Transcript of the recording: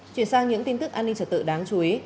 chuyển sang những tin tức an ninh trật tự đáng chú ý